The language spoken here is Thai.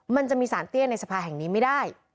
มันจะมีสารเตี้ยในสภาแห่งนี้ไม่ได้